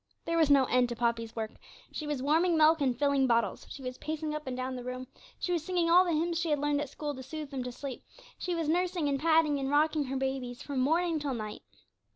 There was no end to Poppy's work. She was warming milk and filling bottles, she was pacing up and down the room, she was singing all the hymns she had learned at school to soothe them to sleep, she was nursing and patting, and rocking her babies from morning till night.